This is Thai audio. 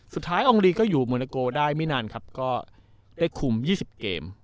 สุดท้ายองค์รีก็อยู่มัลโนโกรได้ไม่นานครับก็ได้คุมยี่สิบเกม